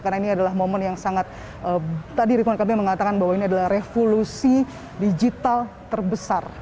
karena ini adalah momen yang sangat tadi ritwan kambil mengatakan bahwa ini adalah revolusi digital terbesar